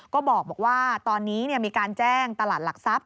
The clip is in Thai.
ก็บอกว่าตอนนี้มีการแจ้งตลาดหลักทรัพย